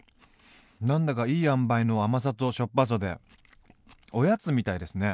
何だかいい塩梅の甘さとしょっぱさでおやつみたいですね。